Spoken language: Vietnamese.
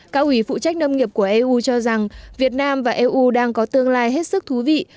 cao ủy phụ trách nông nghiệp của eu cho rằng việt nam và eu đang có tương lai hết sức thú vị